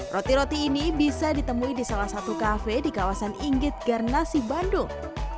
roti roti ini bisa ditemui di salah satu kafe di kawasan inggit garnasi bandung